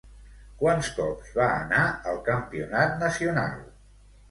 Quants cops va anar al Campionat Nacional?